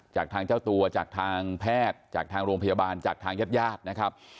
จากทางเจ้าตัวจากทางแพทย์จากทางโรงพยาบาลจากทางญาติญาตินะครับ